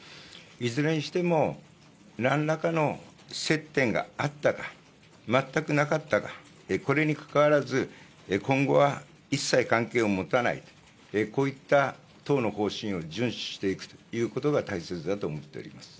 いずれにしても、なんらかの接点があったか、全くなかったか、これに関わらず、今後は、一切関係を持たないと、こういった党の方針を順守していくということが大切だと思っております。